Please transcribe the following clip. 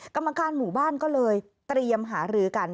กรรมการหมู่บ้านก็เลยเตรียมหารือกัน